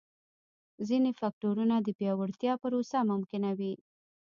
ځیني فکټورونه د پیاوړتیا پروسه ممکنوي.